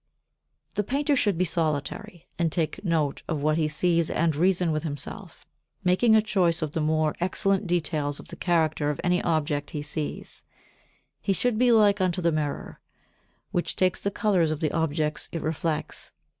45. The painter should be solitary, and take note of what he sees and reason with himself, making a choice of the more excellent details of the character of any object he sees; he should be like unto the mirror, which takes the colours of the objects it reflects.